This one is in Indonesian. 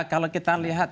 kalau kita lihat